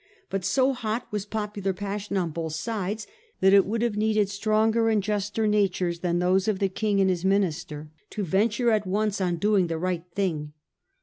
But so hot was popular passion on both sides, that it would have needed stronger and juster natures than those of the King and his minister to venture at once on doing the right thing.